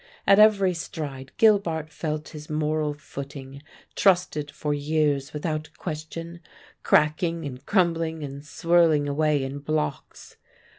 At every stride Gilbart felt his moral footing, trusted for years without question, cracking and crumbling and swirling away in blocks.